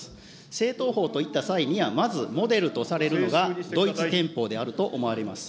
政党法といった際には、まずモデルとされるのがドイツ憲法であると思われます。